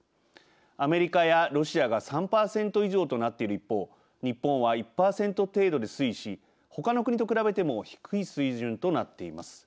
アメリカやロシアが３％以上となっている一方日本は１％程度で推移しほかの国と比べても低い水準となっています。